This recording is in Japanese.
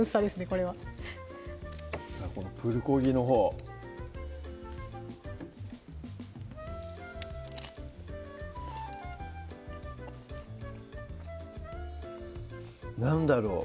これはこのプルコギのほうなんだろう